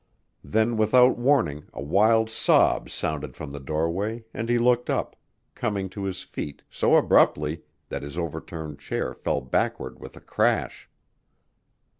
Then without warning a wild sob sounded from the doorway and he looked up, coming to his feet so abruptly that his overturned chair fell backward with a crash.